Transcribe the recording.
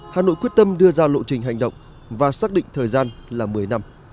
hà nội quyết tâm đưa ra lộ trình hành động và xác định thời gian là một mươi năm